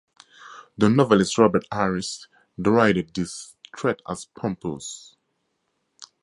The novelist Robert Harris derided this threat as pompous.